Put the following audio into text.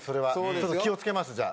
ちょっと気を付けますじゃあ。